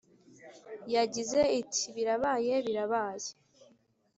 yagize iti “birabaye, birabaye.